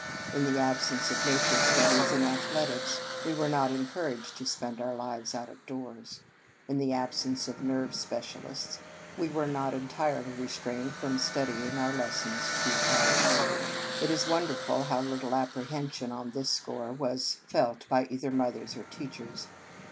In the absence of nature studies and athletics, we were not encouraged to spend our lives out of doors. In the absence of nerve specialists, we were not tenderly restrained from studying our lessons too hard. It is wonder ful how little apprehension on this score was felt by either mothers or teachers.